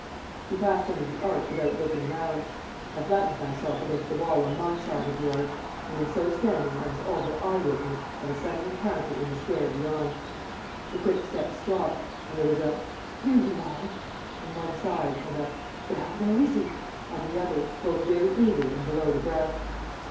He passed under the arch without looking round. I flattened myself against the wall on my side of the arch; and in so standing I was all but eye witness of a sudden encounter in the square beyond. The quick steps stopped, and there was a "Here you are!" on one side, and a "Well! Where is he?" on the other, both very eager and below the breath.